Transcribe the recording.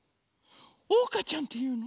おうかちゃんていうの？